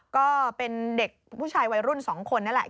ก็เป็นเด็กผู้ชายวัยรุ่น๒คนนั่นแหละ